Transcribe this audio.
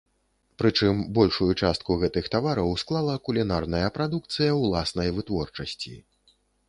Прычым большую частку гэтых тавараў склала кулінарная прадукцыя ўласнай вытворчасці.